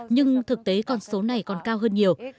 nhưng thực tế con số này còn cao hơn nhiều